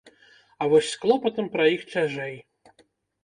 А вось з клопатам пра іх цяжэй.